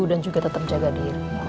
dan juga tetap jaga diri